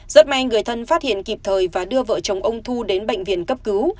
rất may người thân phát hiện kịp thời và đưa vợ chồng ông thu đến bệnh viện cấp cứu